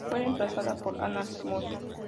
Fue reemplazada por "Anales Mus.